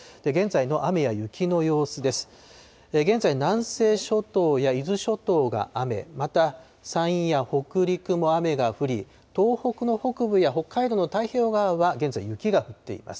現在、南西諸島や伊豆諸島が雨、また山陰や北陸も雨が降り、東北の北部や北海道の太平洋側は現在、雪が降っています。